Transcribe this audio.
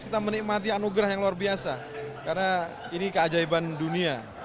kita menikmati anugerah yang luar biasa karena ini keajaiban dunia